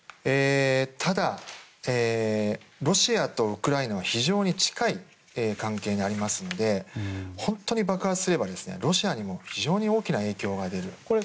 ただロシアとウクライナは非常に近い関係にありますので本当に爆発すれば、ロシアにも非常に大きな影響が出る。